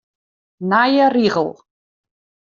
Nije rigel.